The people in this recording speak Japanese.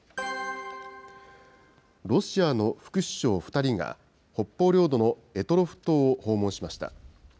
ロシアの副首相２人が、北方領土の択捉島を訪問しました。